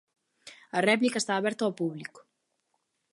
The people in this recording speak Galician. A réplica está aberta ao público.